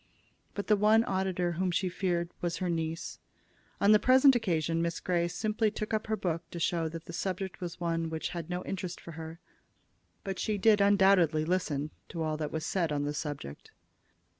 But the one auditor whom she feared was her niece. On the present occasion Miss Grey simply took up her book to show that the subject was one which had no interest for her; but she did undoubtedly listen to all that was said on the subject.